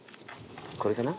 これかな？